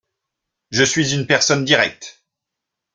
Je suis une personne directe.